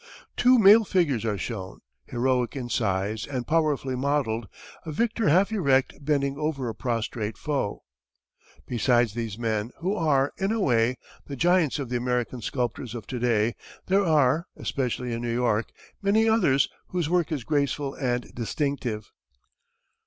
Two male figures are shown, heroic in size and powerfully modelled, a victor half erect bending over a prostrate foe. Besides these men, who are, in a way, the giants of the American sculptors of to day, there are, especially in New York, many others whose work is graceful and distinctive.